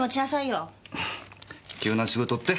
あぁ急な仕事って？